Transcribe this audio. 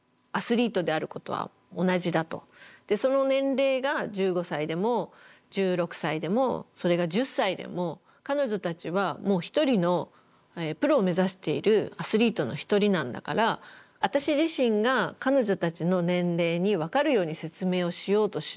その年齢が１５歳でも１６歳でもそれが１０歳でも彼女たちはもう一人のプロを目指しているアスリートの一人なんだから私自身が彼女たちの年齢に分かるように説明をしようとしなくてもいいと。